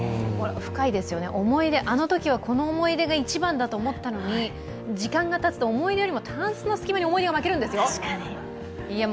深いですよね、あのときはこの思い出が一番だと思ったのに時間がたつと思い出よりもタンスの隙間に思い出が負けるんですよ。